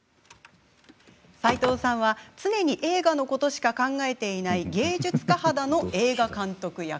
斎藤さんは常に映画のことしか考えていない芸術家肌の映画監督役。